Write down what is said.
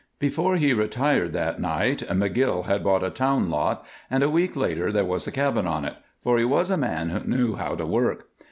Before he retired that night McGill had bought a town lot, and a week later there was a cabin on it, for he was a man who knew how to work.